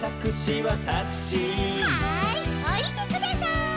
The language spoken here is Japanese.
はいおりてください。